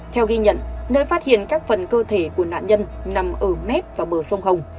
theo ghi nhận nơi phát hiện các phần cơ thể của nạn nhân nằm ở mép và bờ sông hồng